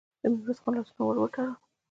د ميرويس خان لاسونه يې ور وتړل.